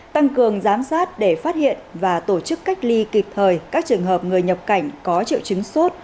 tăng cường giám sát để phát hiện và tổ chức cách ly kịp thời các trường hợp người nhập cảnh có triệu chứng sốt